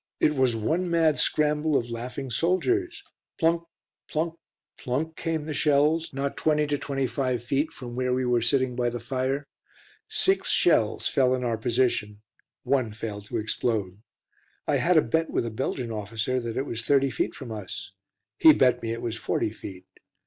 It was one mad scramble of laughing soldiers. Plunk plunk plunk came the shells, not 20 25 feet from where we were sitting by the fire. Six shells fell in our position, one failed to explode. I had a bet with a Belgian officer that it was 30 feet from us. He bet me it was 40 feet.